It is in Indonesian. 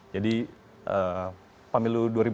jadi pemilu dua ribu sembilan belas